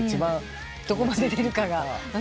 どこまで出るかが。